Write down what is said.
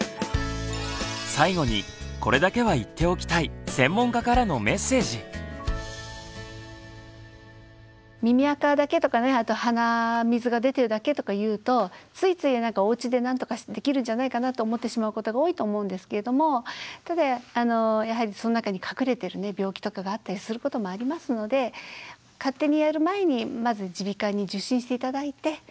最後にこれだけは言っておきたい耳あかだけとか鼻水が出てるだけとかいうとついついおうちでなんとかできるんじゃないかなと思ってしまうことが多いと思うんですけれどもただやはりその中に隠れてる病気とかがあったりすることもありますので勝手にやる前にまず耳鼻科に受診して頂いて。